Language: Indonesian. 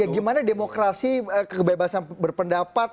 gimana demokrasi kebebasan berpendapat